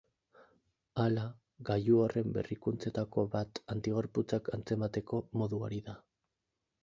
Hala, gailu horren berrikuntzetako bat antigorputzak antzemateko modu hori da.